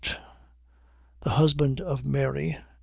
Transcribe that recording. The husband of Mary.